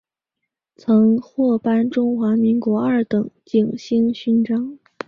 曾获颁中华民国二等景星勋章。